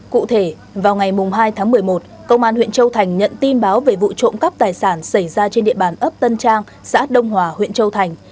cụ thể vào ngày hai tháng một mươi một công an huyện châu thành nhận tin báo về vụ trộm cắp tài sản xảy ra trên địa bàn ấp tân trang xã đông hòa huyện châu thành